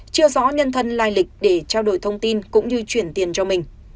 chưa rõ nhân thân lai lịch để trao đổi thông tin cũng như chuyển tiền cho mình